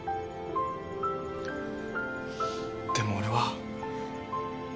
でも俺は。